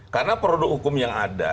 karena produk hukum yang ada